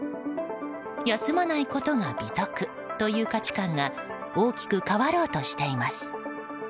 休まないことが美徳という価値観が大きく変わろうとしています。